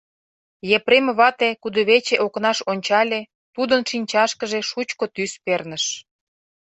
Епрем вате кудывече окнаш ончале, тудын шинчашкыже шучко тӱс перныш.